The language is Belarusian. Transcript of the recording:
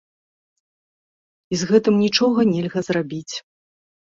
І з гэтым нічога нельга зрабіць.